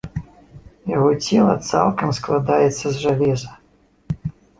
Яго цела цалкам складаецца з жалеза.